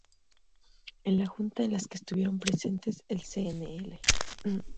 En la junta en las que estuvieron presentes el Cnel.